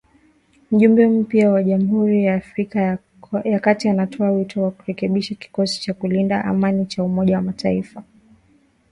Mjumbe mpya wa Jamhuri ya Afrika ya Kati anatoa wito wa kurekebishwa kikosi cha kulinda amani cha Umoja wa Mataifa